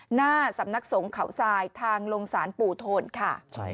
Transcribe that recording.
หน้าสำนักสงฆ์เขาทรายทางลงศาลปู่โทนค่ะ